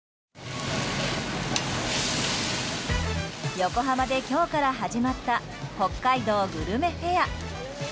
横浜で今日から始まった北海道グルメフェア。